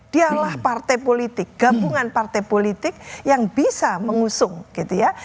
dialah partai politik gabungan partai politik yang bisa mengusung gitu ya